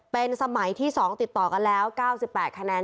เป็นสมัยที่๒ติดต่อกันแล้ว๙๘คะแนน